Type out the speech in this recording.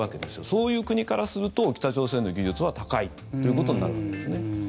そういう国からすると北朝鮮の技術は高いということになるんですよね。